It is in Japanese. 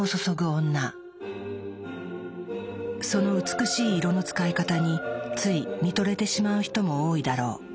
その美しい色の使い方につい見とれてしまう人も多いだろう。